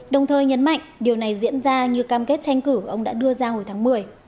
đồng thời nhấn mạnh điều này diễn ra như cam kết tranh cử ông đã đưa ra hồi tháng một mươi